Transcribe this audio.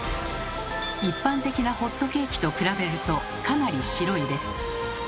一般的なホットケーキと比べるとかなり白いです。